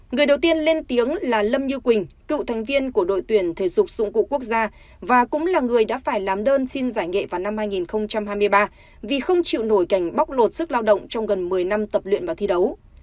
người đầu tiên lên tiếng là lâm như quỳnh cựu thành viên của đội tuyển thể dục dụng cụ quốc gia và cũng là người đã phải làm đơn xin giải nghệ vào năm hai nghìn hai mươi ba vì không chịu nổi cảnh bóc lột sức lao động trong gần một mươi năm tập luyện và thi đấu